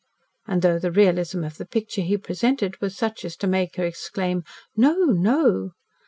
And, though the realism of the picture he presented was such as to make her exclaim, "No! No!"